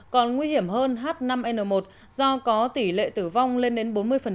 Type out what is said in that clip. còn nguy hiểm hơn h năm n một do có tỷ lệ tử vong lên đến bốn mươi